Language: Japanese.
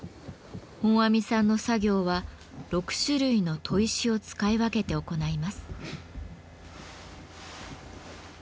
本阿弥さんの作業は６種類の砥石を使い分けて行います。